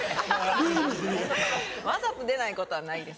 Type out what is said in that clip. わざと出ないことはないです。